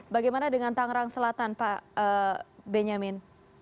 bagaimana dengan tangerang selatan pak benyamin